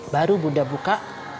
baru bunda buka